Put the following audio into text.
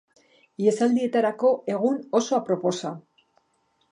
Ihesaldietarako egun oso aproposa.